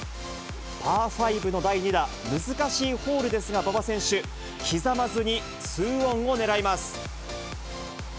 パー５の第２打、難しいホールですが、馬場選手、刻まずに２オンを狙います。